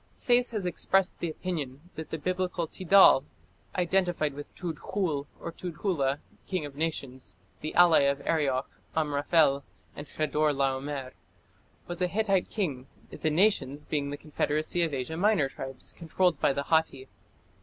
Sayce has expressed the opinion that the Biblical Tidal, identified with Tudkhul or Tudhula, "king of nations", the ally of Arioch, Amraphel, and Chedor laomer, was a Hittite king, the "nations" being the confederacy of Asia Minor tribes controlled by the Hatti.